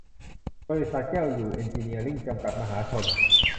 บริษัท แก้วอยู่เอ็นจิเนียริ่ง จำกัด มหาชน